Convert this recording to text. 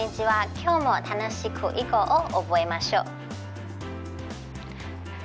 今日も楽しく囲碁を覚えましょう。